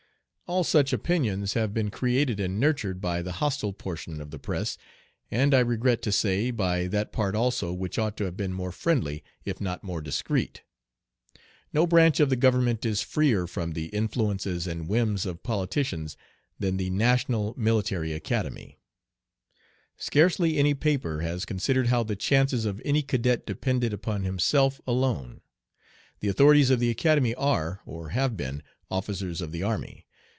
All such opinions have been created and nurtured by the hostile portion of the press, and, I regret to say, by that part also which ought to have been more friendly, if not more discreet. No branch of the government is freer from the influences and whims of politicians than the National Military Academy. Scarcely any paper has considered how the chances of any cadet depended upon himself alone. The authorities of the Academy are, or have been, officers of the army.